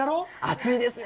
熱いですね。